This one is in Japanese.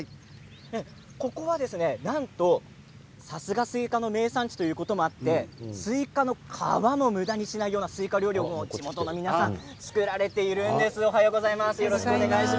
ここは、なんとさすがスイカの名産地ということもあってスイカの皮もむだにしないようなスイカ料理を地元の皆さんが作られているんです。